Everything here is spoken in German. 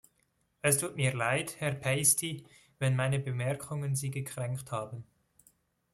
Es tut mir leid, Herr Pasty, wenn meine Bemerkungen Sie gekränkt haben.